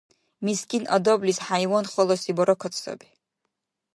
Мискин адамлис хӀяйван халаси баракат саби.